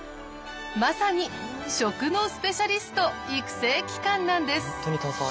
まさに食のスペシャリスト育成機関なんです！